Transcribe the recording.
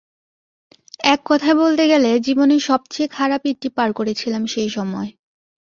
এককথায় বলতে গেলে জীবনের সবচেয়ে খারাপ ঈদটি পার করেছিলাম সেই সময়।